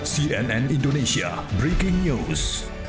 cnn indonesia breaking news